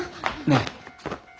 ねえ。